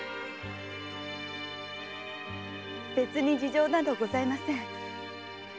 別に事情などございません。